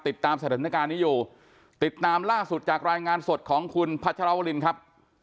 ติดตามสถานการณ์นี้อยู่ติดตามล่าสุดจากรายงานสดของคุณพัชรวรินครับ